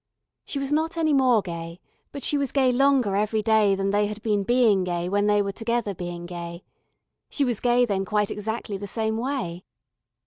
She was not any more gay but she was gay longer every day than they had been being gay when they were together being gay. She was gay then quite exactly the same way.